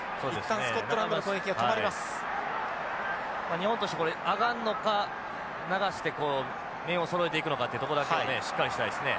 日本として上がるのか流して面をそろえていくのかというとこだけねしっかりしたいですね。